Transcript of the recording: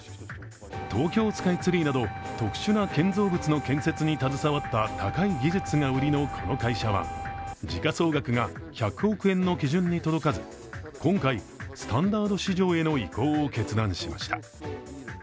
東京スカイツリーなど特殊な建造物の建設に携わった高い技術が売りのこの会社は、時価総額が１００億円の基準に届かず今回、スタンダード市場への移行を決断しました。